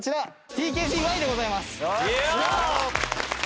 ＴＫＧＹでございます。